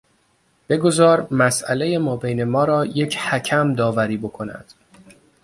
بگذار مسئلهی مابین ما را یک حکم داوری بکند.